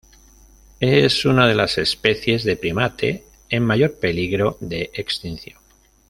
Es una de las especies de primate en mayor peligro de extinción.